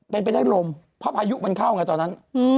เป็นไปได้ลมเพราะพายุมันเข้าไงตอนนั้น